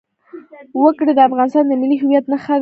وګړي د افغانستان د ملي هویت نښه ده.